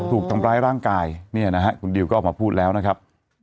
ถูกทำร้ายร่างกายเนี่ยนะฮะคุณดิวก็ออกมาพูดแล้วนะครับ